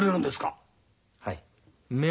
はい。